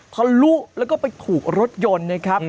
ทะลุแล้วก็ไปถูกรถยนต์นะครับ